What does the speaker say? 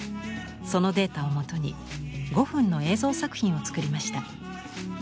そのデータをもとに５分の映像作品を作りました。